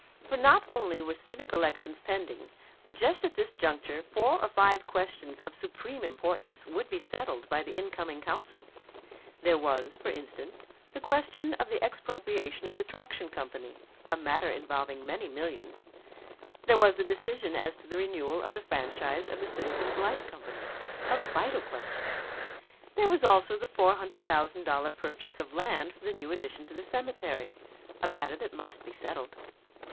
For not only were civic elections pending but just at this juncture four or five questions of supreme importance would be settled by the incoming council. There was, for instance, the question of the expropriation of the Traction Company (a matter involving many millions); there was the decision as to the renewal of the franchise of the Citizens' Light Company a vital question; there was also the four hundred thousand dollar purchase of land for the new addition to the cemetery, a matter that must be settled.